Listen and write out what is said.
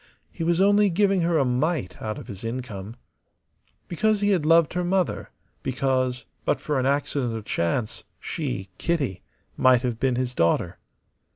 He was only giving her a mite out of his income. Because he had loved her mother; because, but for an accident of chance, she, Kitty, might have been his daughter.